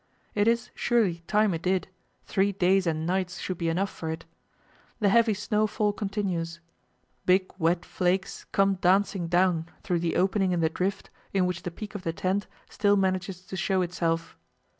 It is, surely, time it did; three days and nights should be enough for it. The heavy snowfall continues. Big, wet flakes come dancing down through the opening in the drift in which the peak of the tent still manages to show itself.